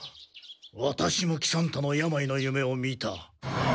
ワタシも喜三太の病の夢を見た。